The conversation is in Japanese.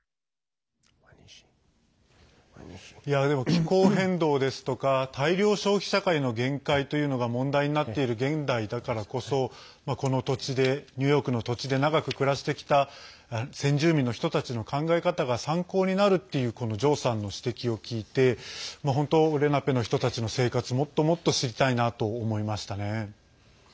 気候変動ですとか大量消費社会の限界というのが問題になっている現代だからこそこの土地でニューヨークの土地で長く暮らしてきた先住民の人たちの考え方が参考になるっていうこのジョーさんの指摘を聞いて本当、レナペの人たちの生活もっともっと知りたいなと思いましたね。